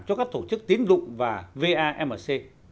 cho các tổ chức tín dụng và vamc